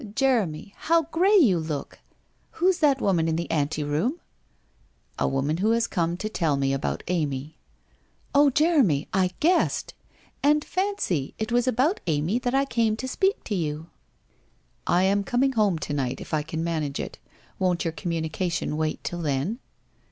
' Jeremy, how grey you look ! Who's that woman in the anteroom ?'' A woman who has come to tell me about Amy.' ' Oh, Jeremy, I guessed ! And fancy, it was about Amy that J came to speak to you.' 419 420 WHITE ROSE OF WEARY LEAF ' I am coming home to night, if I can manage it. Won't your communication wait till then